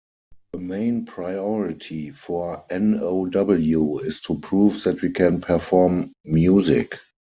The main priority for NoW is to prove that we can perform music.